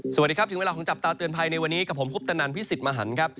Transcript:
สวัสดีครับถึงเวลาของจับตาเตือนภัยในวันนี้กับผมคุปตนันพิสิทธิ์มหันครับ